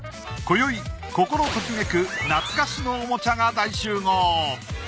今宵心ときめく懐かしのおもちゃが大集合。